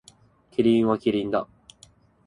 キリンはキリンだ。